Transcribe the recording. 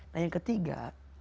nah yang ketiga